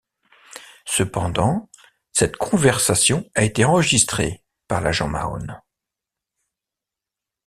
Cependant, cette conversation a été enregistrée par l'agent Mahone.